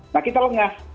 nah kita lengah